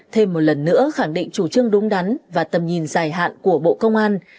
thêm một lần nữa khẳng định chủ trương đúng đắn và tầm nhìn dài hạn của bộ công an